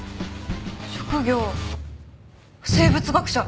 職業生物学者！